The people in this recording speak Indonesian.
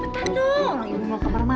tante mandi dat tout cepatan